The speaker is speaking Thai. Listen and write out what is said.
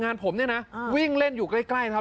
งานผมเนี่ยนะวิ่งเล่นอยู่ใกล้ครับ